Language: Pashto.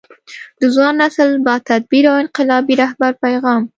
د ځوان نسل با تدبیره او انقلابي رهبر پیغام